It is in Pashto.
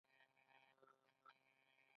سلګونه میلیونه خلک له فقر ووتل.